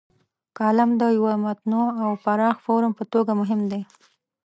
کالم د یوه متنوع او پراخ فورم په توګه مهم دی.